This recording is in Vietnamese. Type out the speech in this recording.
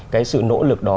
cái sự nỗ lực đó